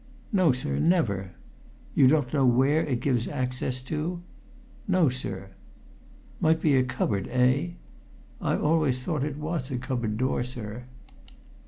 "No, sir, never." "You don't know where it gives access to?" "No, sir." "Might be a cupboard door, eh?" "I always thought it was a cupboard door, sir."